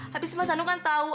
habis mas danung kan tahu